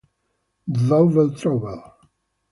Double Trouble